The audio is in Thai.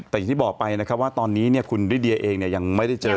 แต่อย่างที่บอกไปนะครับว่าตอนนี้คุณลิเดียเองยังไม่ได้เจอ